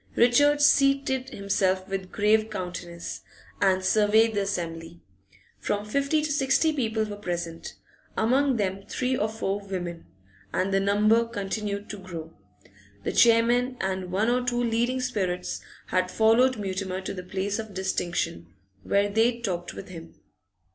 Richard seated himself with grave countenance, and surveyed the assembly; from fifty to sixty people were present, among them three or four women, and the number continued to grow. The chairman and one or two leading spirits had followed Mutimer to the place of distinction, where they talked with him.